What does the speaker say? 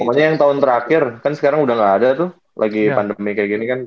pokoknya yang tahun terakhir kan sekarang udah gak ada tuh lagi pandemi kayak gini kan